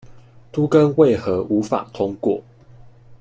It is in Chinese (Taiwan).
都更為何無法通過